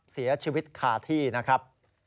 เสียชีวิตคาที่นะครับ